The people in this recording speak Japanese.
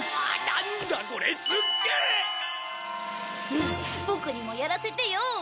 ねえボクにもやらせてよ。